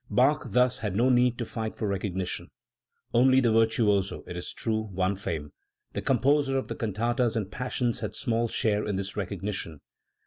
Bach thus had no need to fight for recognition. Only the virtuoso, it is true, won fame; the composer of the cantatas and Passions had small share in this recognition.